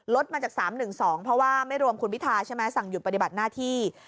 มาจาก๓๑๒เพราะว่าไม่รวมคุณพิทาใช่ไหมสั่งหยุดปฏิบัติหน้าที่